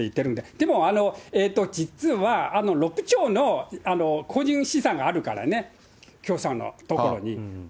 でも実は６兆の個人資産があるからね、許さんのところに。